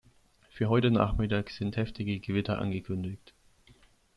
Für heute Nachmittag sind heftige Gewitter angekündigt.